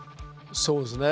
そうですね